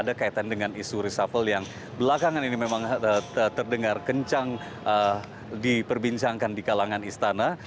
dan itu juga sudah terdengar di suri shuffle yang belakangan ini memang terdengar kencang diperbincangkan di kalangan istana